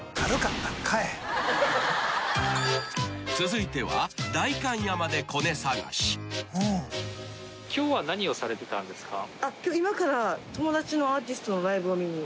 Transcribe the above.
［続いては代官山でコネ探し］今日は何をされてたんですか？